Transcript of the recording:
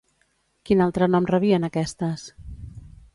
Quin altre nom rebien aquestes?